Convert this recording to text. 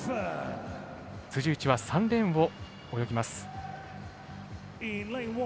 辻内は３レーンを泳ぎます。